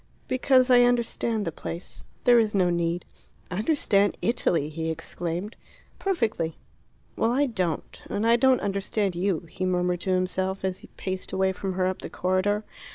"Because I understand the place. There is no need." "Understand Italy!" he exclaimed. "Perfectly." "Well, I don't. And I don't understand you," he murmured to himself, as he paced away from her up the corridor.